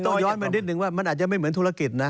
ย้อนมานิดนึงว่ามันอาจจะไม่เหมือนธุรกิจนะ